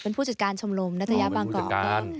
เป็นผู้จัดการชมรมนัฏยบางกรอ๋อเป็นผู้จัดการ